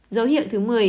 dấu hiệu một mươi